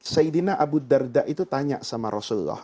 saidina abu dardak itu tanya sama rasulullah